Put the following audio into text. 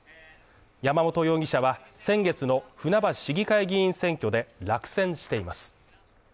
山本容疑者は先月の船橋市議会議員選挙で落選しています。